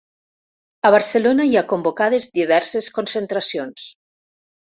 A Barcelona hi ha convocades diverses concentracions.